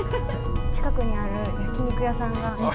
近くにある焼き肉屋さんが。